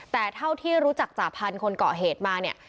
แต่เท่าที่รู้จักจ่าพันธุ์คนเกาะเหตุมาเนี่ย